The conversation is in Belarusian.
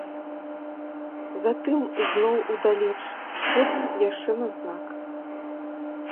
Затым зноў удалеч, потым яшчэ на знак.